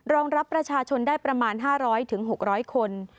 รองรับประชาชนได้ประมาณ๕๐๐๖๐๐คน